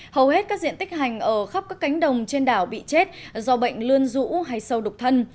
hầu hết các diện tích hành ở khắp các cánh đồng trên đảo bị chết do bệnh lươn rũ hay sâu đục thân